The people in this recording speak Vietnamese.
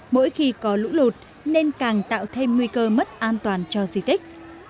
mỗi khi có lũ lụt nên càng tạo thêm nguy cơ mất an toàn cho di tích